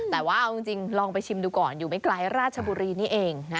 แต่ว่าเอาจริงลองไปชิมดูก่อนอยู่ไม่ไกลราชบุรีนี่เอง